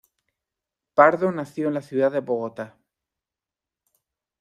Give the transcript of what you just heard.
Pardo nació en la ciudad de Bogotá.